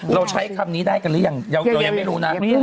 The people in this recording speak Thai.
ใช้คำนี้ได้กันหรือยังเรายังไม่รู้นะ